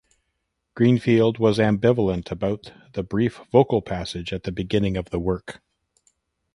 Greenfield was ambivalent about the brief vocal passage at the beginning of the work.